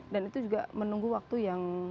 dan itu juga menunggu waktu yang